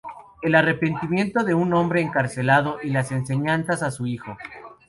El arrepentimiento de un hombre encarcelado y las enseñanzas a su hijo.